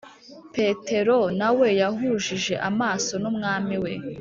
petero nawe yahujije amaso n’umwami we